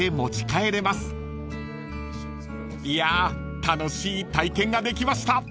［いや楽しい体験ができました］